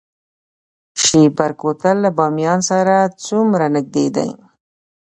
شیبر کوتل له بامیان سره څومره نږدې دی؟